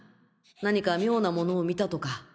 何か妙な物を見たとか？